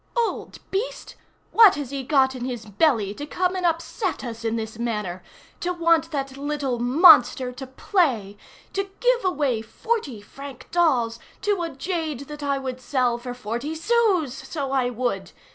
"Old beast! What has he got in his belly, to come and upset us in this manner! To want that little monster to play! to give away forty franc dolls to a jade that I would sell for forty sous, so I would!